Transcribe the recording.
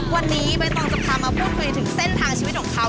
วันนี้ใบตองจะพามาพูดคุยถึงเส้นทางชีวิตของเขา